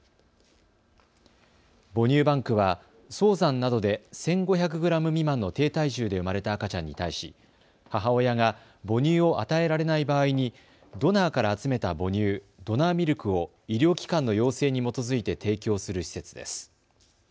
母乳バンクは早産などで１５００グラム未満の低体重で生まれた赤ちゃんに対し母親が母乳を与えられない場合にドナーから集めた母乳ドナーミルクを医療機関の要請に基づいて提供する施設です。